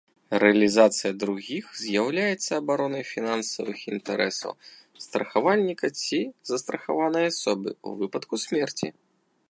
Рэалізацыя другіх з'яўляецца абаронай фінансавых інтарэсаў страхавальніка ці застрахаванай асобы ў выпадку смерці.